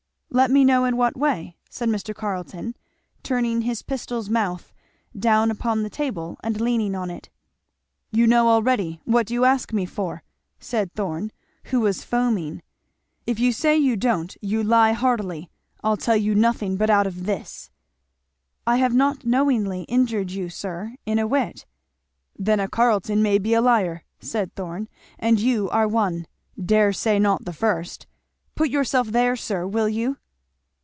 "Let me know in what," said Mr. Carleton turning his pistol's mouth down upon the table and leaning on it. "You know already, what do you ask me for?" said Thorn who was foaming, "if you say you don't you lie heartily. I'll tell you nothing but out of this " "I have not knowingly injured you, sir, in a whit." "Then a Carleton may be a liar," said Thorn, "and you are one dare say not the first. Put yourself there, sir, will you?"